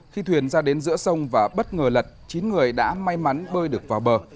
khi thuyền ra đến giữa sông và bất ngờ lật chín người đã may mắn bơi được vào bờ